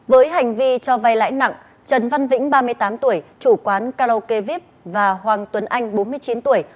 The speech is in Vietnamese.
với hành vi cho vay lãi nặng trần văn vĩnh ba mươi tám tuổi chủ quán karaoke vip và hoàng tuấn anh bốn mươi tuổi